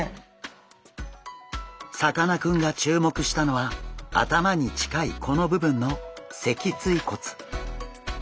さかなクンが注目したのは頭に近いこの部分の脊椎骨。